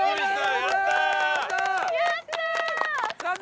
やったー！